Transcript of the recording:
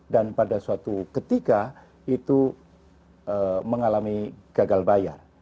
pada suatu ketika itu mengalami gagal bayar